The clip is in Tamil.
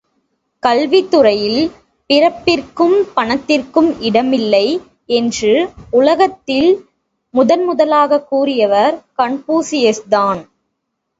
கல்வித் துறையில் பிறப்பிற்கும், பணத்திற்கும் இடமில்லை என்று உலகத்தில் முதன் முதலாகக் கூறியவர் கன்பூசியஸ்தான்!